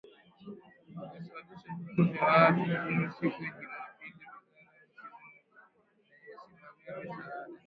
yalisababisha vifo vya watu kumi siku ya Jumapili wizara nchini humo inayosimamia misaada